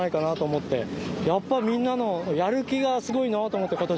やっぱみんなのやる気がすごいなと思って。